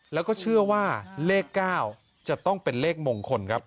แล้วก็เชื่อว่าเลข๙จะต้องเป็นเลขมงคลครับ